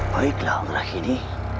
baiklah ang rahimi